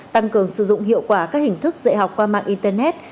tăng cường sử dụng hiệu quả các hình thức dạy học qua mạng internet